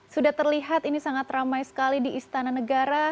sudah terlihat ini sangat ramai sekali di istana negara